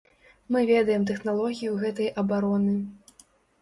Мы ведаем тэхналогію гэтай абароны.